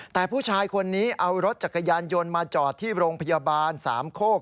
แต่ผู้ชายคนนี้เอารถจักรยานยนต์มาจอดที่โรงพยาบาลสามโคก